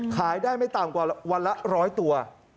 ขายได้ไม่ต่ำกว่าวันละ๑๐๐ตัว